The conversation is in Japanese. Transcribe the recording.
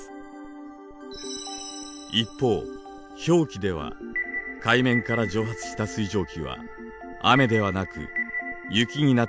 一方氷期では海面から蒸発した水蒸気は雨ではなく雪になって降り積もり